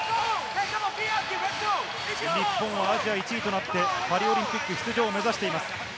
日本、アジア１位となってパリオリンピック出場を目指しています。